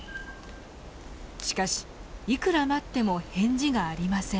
しかしいくら待っても返事がありません。